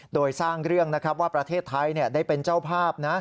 โดยสร้างเรื่องนะครับว่าประเทศไทยได้เป็นเจ้าภาพนะ